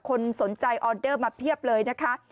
คนสนใจออเดอร์มาเพียบเลยนะคะ